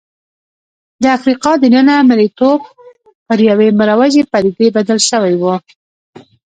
د افریقا دننه مریتوب پر یوې مروجې پدیدې بدل شوی و.